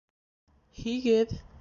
Һигеҙ